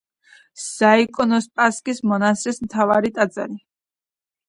ზაიკონოსპასკის მონასტრის მთავარი ტაძარი.